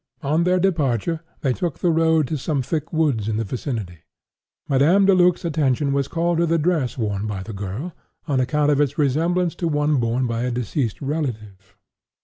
On their departure, they took the road to some thick woods in the vicinity. Madame Deluc's attention was called to the dress worn by the girl, on account of its resemblance to one worn by a deceased relative.